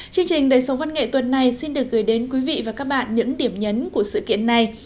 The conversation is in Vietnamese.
chương trình đời sống văn nghệ tuần này xin được gửi đến quý vị và các bạn những điểm nhấn của sự kiện này